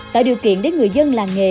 tạo điều kiện để người dân làng nghề